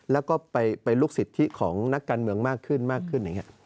แล้วก็เป็นลูกสิทธิของนักการเมืองมากขึ้นมากขึ้นอย่างนี้